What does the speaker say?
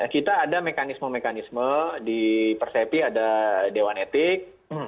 kita ada mekanisme mekanisme di persepi ada dewan etik